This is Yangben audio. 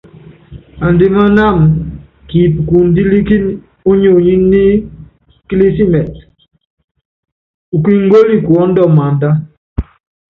Andímánáma kipíkundílíkíni ónyonyi nikilísimitɛ, ukíngóli kuɔ́ndɔ maánda.